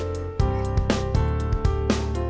cinta sama kamu